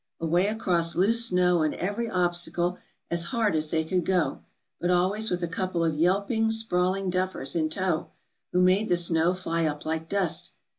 Away across loose snow and every obstacle, as hard as they could go, but always with a couple of yelping, sprawling duffers in tow, who made the snow fly up like dust.